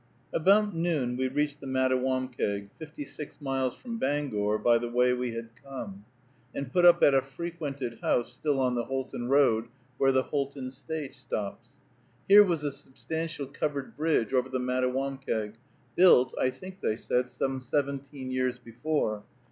About noon we reached the Mattawamkeag, fifty six miles from Bangor by the way we had come, and put up at a frequented house still on the Houlton road, where the Houlton stage stops. Here was a substantial covered bridge over the Mattawamkeag, built, I think they said, some seventeen years before.